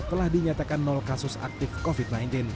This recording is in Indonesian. telah dinyatakan kasus aktif covid sembilan belas